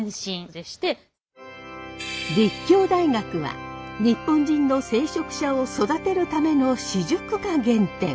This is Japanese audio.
立教大学は日本人の聖職者を育てるための私塾が原点。